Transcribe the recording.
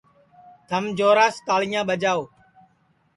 تھم جوراس تاݪیاں ٻاجاو